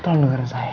tolong dengerin saya